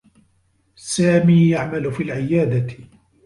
سامي يعمل في العيادة.